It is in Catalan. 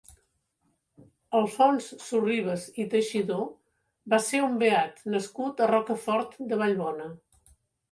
Alfons Sorribes i Teixidó va ser un beat nascut a Rocafort de Vallbona.